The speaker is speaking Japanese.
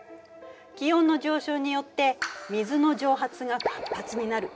気温の上昇によって水の蒸発が活発になる。